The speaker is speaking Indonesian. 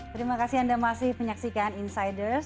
terima kasih anda masih menyaksikan insiders